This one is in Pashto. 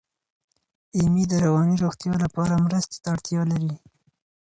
ایمي د رواني روغتیا لپاره مرستې ته اړتیا لري.